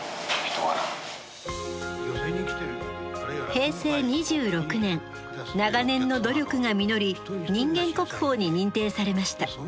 平成２６年長年の努力が実り人間国宝に認定されました。